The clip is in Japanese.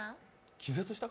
気絶した？